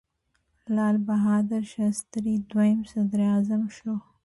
لال بهادر شاستري دویم صدراعظم شو.